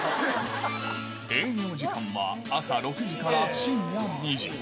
営業時間は朝６時から深夜２時。